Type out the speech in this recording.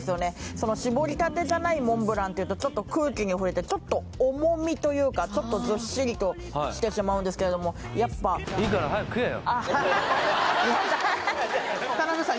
その搾りたてじゃないモンブランというとちょっと空気に触れてちょっと重みというかちょっとずっしりとしてしまうんですけれどもやっぱ田辺さん